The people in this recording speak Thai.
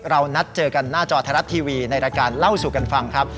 เรานัดเจอกันหน้าจอไทยรัฐทีวีในรายการเล่าสู่กันฟังครับ